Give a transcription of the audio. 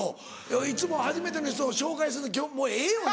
いつも初めての人を紹介する今日もうええよな？